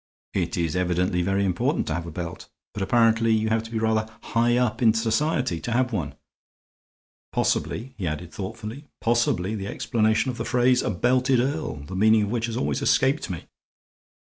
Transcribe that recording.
It's evidently very important to have a belt. But apparently you have to be rather high up in society to have one. Possibly," he added, thoughtfully "possibly the explanation of the phrase 'a belted earl,' the meaning of which has always escaped me."